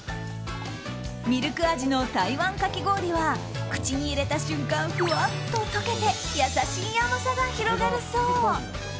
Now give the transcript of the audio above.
ミルク味の台湾かき氷は口に入れた瞬間、ふわっと溶けて優しい甘さが広がるそう。